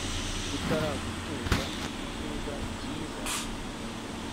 Utaragutuza mugituza kiza